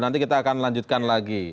nanti kita akan lanjutkan lagi